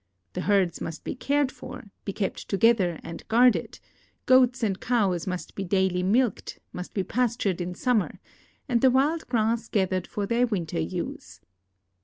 The herds must be cared for, be kept together, and guarded ; goats and cows must be daily milked ; must be pastured in summer, and the wild grass gathered for their winter use.